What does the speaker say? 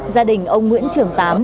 gia đình ông nguyễn trường tám